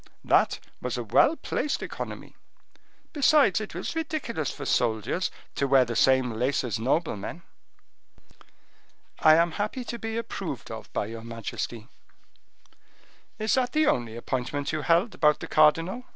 that was a well placed economy; besides, it was ridiculous for soldiers to wear the same lace as noblemen." "I am happy to be approved of by your majesty." "Is that the only appointment you held about the cardinal?"